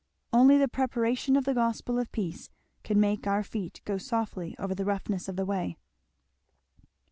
Only the preparation of the gospel of peace can make our feet go softly over the roughness of the way."